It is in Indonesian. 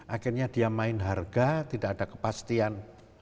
akhirnya dia main harga tidak ada kepastian